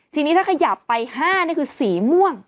ทีนี้ถ้าขยับไป๕นี่คือสีม่วง